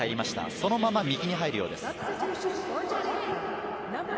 そのまま右に入るようです。